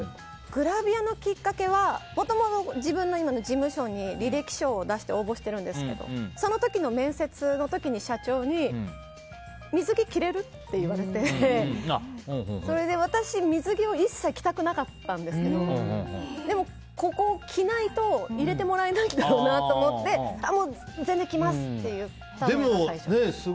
グラビアのきっかけはもともと自分の今の事務所に履歴書を出して応募してるんですけどその時の面接の時に社長に水着着れる？って言われてそれで私、水着は一切着たくなかったんですけどでも着ないと入れてもらえないんだろうなと思ってもう全然着ますって言ったのが最初です。